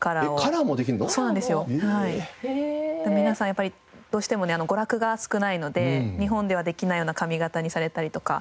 やっぱりどうしてもね娯楽が少ないので日本ではできないような髪形にされたりとか。